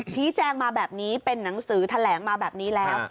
ชี้แจงมาแบบนี้เป็นหนังสือแถลงมาแบบนี้แล้ว